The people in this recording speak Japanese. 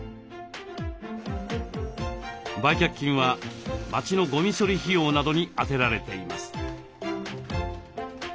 売却金は町のゴミ処理費用などに充てられています。